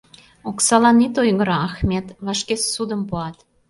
Оксалан ит ойгыро, Ахмет: вашке ссудым пуат.